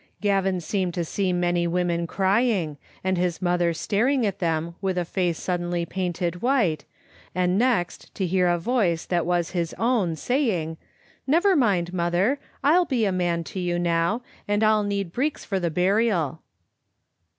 Gavin seemed to see many women crying, and his mother staring at them with a face suddenly painted white, and next to hear a voice that was his own saying, '* Never mind, mother; I'll be a man to you now, and I'll need breeks for the burial."